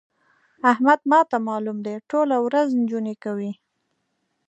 احمد ما ته مالوم دی؛ ټوله ورځ نجونې کوي.